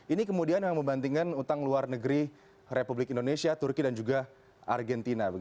ini kemudian yang membandingkan utang luar negeri republik indonesia turki dan juga argentina